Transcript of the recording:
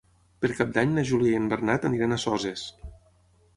Per Cap d'Any na Júlia i en Bernat aniran a Soses.